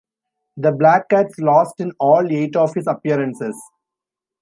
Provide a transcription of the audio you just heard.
The Black Cats lost in all eight of his appearances.